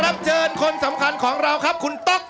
ออกออกออกออกออกออกออกออกออกออก